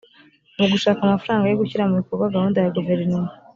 mu gushaka amafaranga yo gushyira mu bikorwa gahunda ya guverinoma